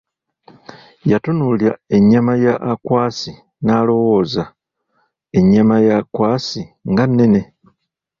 Yatunuulira ennyama ya Akwasi n'alowooza, ennyama ya Akwasi nga nenne!